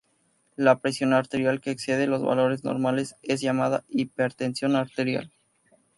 La presión arterial que excede los valores normales es llamada hipertensión arterial.